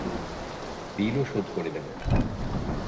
বিলও শোধ করে দেব।